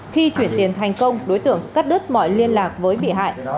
khi chuyển tiền thành công đối tượng cắt đứt mọi liên lạc với bị hại